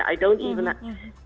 saya tidak pernah